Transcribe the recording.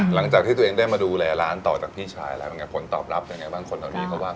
หลังจากที่ตัวเองได้มาดูแลร้านต่อจากพี่ชายแล้วผลตอบรับยังไงบ้างคนเหล่านี้ก็บ้าง